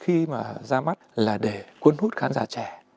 khi mà ra mắt là để cuốn hút khán giả trẻ